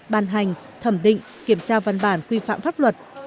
ban hành thẩm định kiểm tra văn bản quy phạm pháp luật